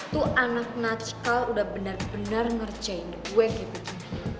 tuh anak natskal udah bener bener ngerjain gue kayak begini